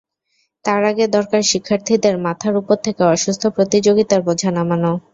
তার আগে দরকার শিক্ষার্থীদের মাথার ওপর থেকে অসুস্থ প্রতিযোগিতার বোঝা নামানো।